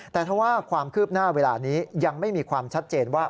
แต่ถ้าว่าความคืบหน้าเวลานี้ยังไม่มีความชัดเจนว่า